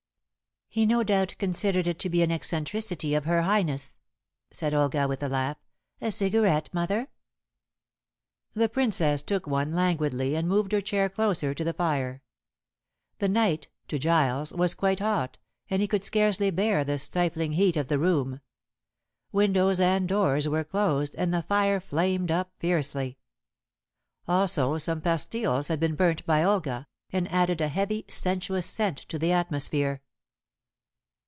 "He no doubt considered it to be an eccentricity of Her Highness," said Olga, with a laugh; "a cigarette, mother?" The Princess took one languidly, and moved her chair closer to the fire. The night to Giles was quite hot, and he could scarcely bear the stifling heat of the room. Windows and doors were closed, and the fire flamed up fiercely. Also some pastiles had been burnt by Olga, and added a heavy, sensuous scent to the atmosphere.